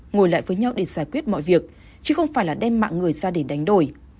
ngồi lại với nhau để giải quyết mọi việc chứ không phải là đem mạng người ra để đánh đổi